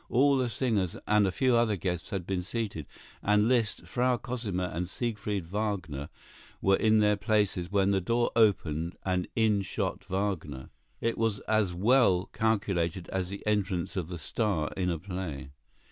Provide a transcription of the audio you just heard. All the singers and a few other guests had been seated, and Liszt, Frau Cosima and Siegfried Wagner were in their places when the door opened and in shot Wagner. It was as well calculated as the entrance of the star in a play.